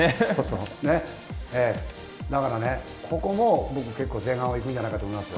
だからね、ここも僕結構、前半はいくんじゃないかと思いますよ。